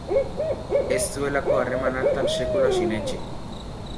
Ez zuelako harreman hartan sekula sinetsi.